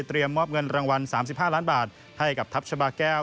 มอบเงินรางวัล๓๕ล้านบาทให้กับทัพชาบาแก้ว